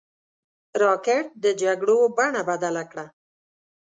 راکټ د جګړو بڼه بدله کړه